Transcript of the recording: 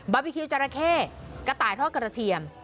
บีคิวจราเข้กระต่ายทอดกระเทียม